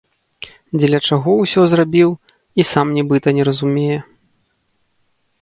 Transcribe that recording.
Дзеля чаго ўсё зрабіў, і сам нібыта не разумее.